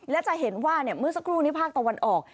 และจะเห็นว่าเมื่อสักครู่นี้ภาคตะวันออก